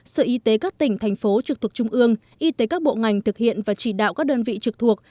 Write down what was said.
sở y tế các tỉnh thành phố trực thuộc trung ương y tế các bộ ngành thực hiện và chỉ đạo các đơn vị trực thuộc